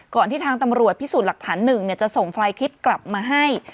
ที่ทางตำรวจพิสูจน์หลักฐาน๑จะส่งไฟล์คลิปกลับมาให้